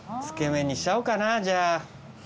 つけ麺にしちゃおうかなじゃあ。